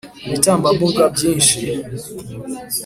ibitambambuga byinshi